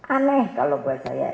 aneh kalau buat saya